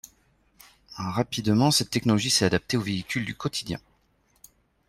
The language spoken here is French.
Rapidement, cette technologie s'est adaptée aux véhicules du quotidien.